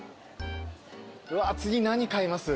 うわ次何買います？